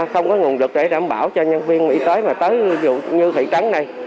không có nguồn lực để đảm bảo cho nhân viên y tế mà tới ví dụ như thị trắng này